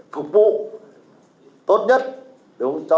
phục vụ tốt nhất cho cái sự đi lại của người dân